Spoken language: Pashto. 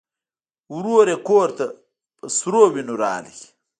ورور یې کور ته په سرې وینو راغی.